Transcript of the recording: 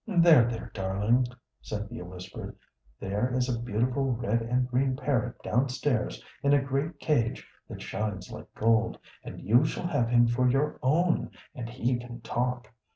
"There, there, darling!" Cynthia whispered; "there is a beautiful red and green parrot down stairs in a great cage that shines like gold, and you shall have him for your own, and he can talk.